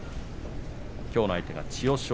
きょうの相手が千代翔